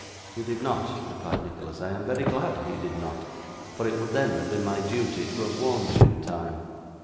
'He did not,' replied Nicholas; 'I am very glad he did not, for it would then have been my duty to have warned you in time.